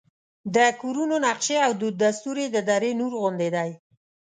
د کورونو نقشې او دود دستور یې د دره نور غوندې دی.